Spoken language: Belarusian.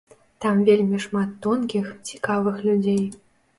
Там вельмі шмат тонкіх, цікавых людзей.